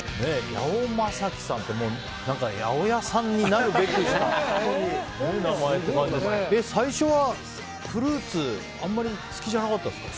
八尾昌輝さんってもう何か八百屋さんになるべくして生まれた名前って感じですけど最初はフルーツ、あんまり好きじゃなかったんですか。